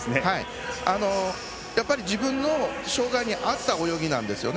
やっぱり自分の障がいに合った泳ぎなんですよね。